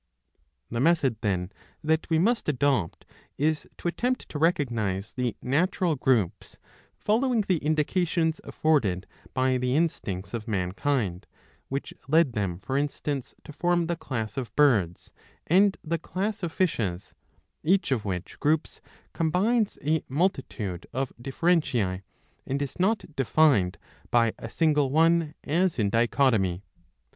The method then that we must adopt is to attempt to recog nise the natural groups, following the indications afforded by the instincts of mankind, which led them for instance to form the class of Birds and the class of Fishes, each of which groups combines a multitude of differentiae, and is not defined by a single one as in dichotomy.